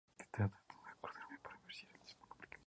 Se encuentra en el Mar de Sulu y en el Pacífico ecuatorial.